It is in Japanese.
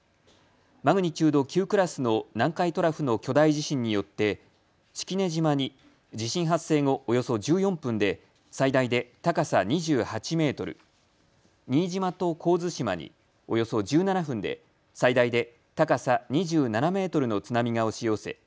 マグニチュード９クラスの南海トラフの巨大地震によって式根島に地震発生後およそ１４分で最大で高さ２８メートル、新島と神津島におよそ１７分で最大で高さ２７メートルの津波が押し寄せ